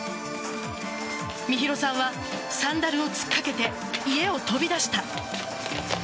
美弘さんはサンダルを突っかけて家を飛び出した。